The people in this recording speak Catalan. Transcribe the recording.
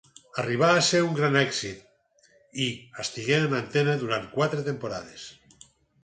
Arribà a ser un gran èxit i estigué en antena durant quatre temporades.